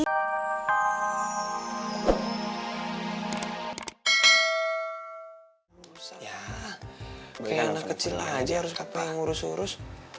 ya kayak anak kecil aja harus ngurus ngurus